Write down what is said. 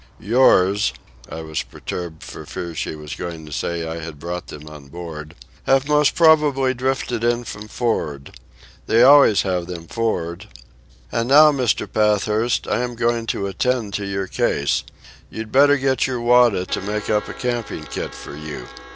Yours" (I was perturbed for fear she was going to say that I had brought them on board) "have most probably drifted in from for'ard. They always have them for'ard. "And now, Mr. Pathurst, I am going down to attend to your case. You'd better get your Wada to make up a camping kit for you.